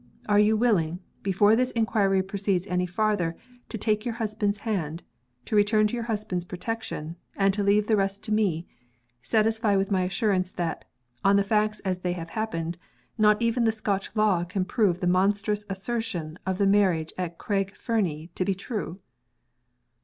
Are you willing, before this inquiry proceeds any farther to take your husband's hand; to return to your husband's protection; and to leave the rest to me satisfied with my assurance that, on the facts as they happened, not even the Scotch Law can prove the monstrous assertion of the marriage at Craig Fernie to be true?"